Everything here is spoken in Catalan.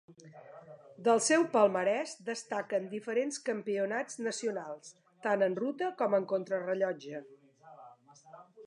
Del seu palmarès destaquen diferents campionats nacionals, tant en ruta com en contrarellotge.